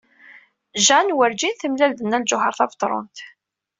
Jane werjin temlal-d Nna Lǧuheṛ Tabetṛunt.